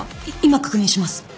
い今確認します。